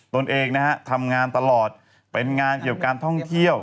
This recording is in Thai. ตัวเองนะฮะทำงานตลอดเป็นงานเกี่ยวการท่องเที่ยว